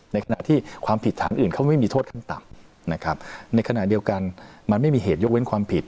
ในขณะที่ความผิดฐานอื่นเขาไม่มีโทษขั้นต่ำนะครับในขณะเดียวกันมันไม่มีเหตุยกเว้นความผิด